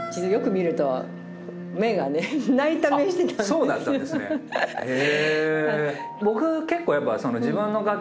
そうだったんですねへ。